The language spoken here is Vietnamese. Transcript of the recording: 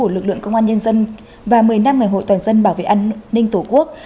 của lực lượng công an nhân dân và một mươi năm ngày hội toàn dân bảo vệ an ninh tổ quốc